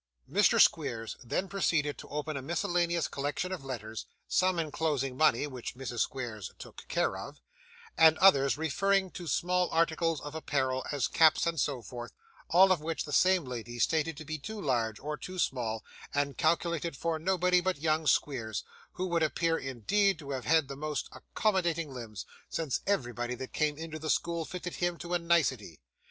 Mr. Squeers then proceeded to open a miscellaneous collection of letters; some enclosing money, which Mrs. Squeers 'took care of;' and others referring to small articles of apparel, as caps and so forth, all of which the same lady stated to be too large, or too small, and calculated for nobody but young Squeers, who would appear indeed to have had most accommodating limbs, since everything that came into the school fitted him to a nicety.